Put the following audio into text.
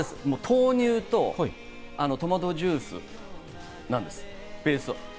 豆乳とトマトジュースなんです、ベースは。